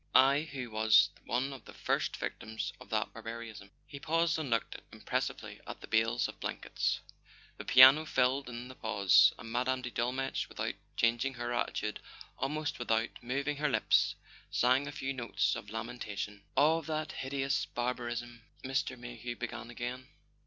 I, who was one of the first Victims of that barbarism. .." He paused and looked impressively at the bales of blankets. The piano filled in the pause, and Mme. de Dolmetsch, without changing her attitude, almost with¬ out moving her lips, sang a few notes of lamentation. "Of that hideous barbarism " Mr. Mayhew began again.